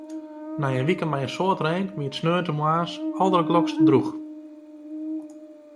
Nei in wike mei in soad rein wie it dy sneontemoarns aldergelokst drûch.